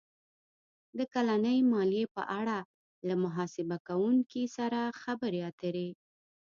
-د کلنۍ مالیې په اړه له محاسبه کوونکي سره خبرې اتر ې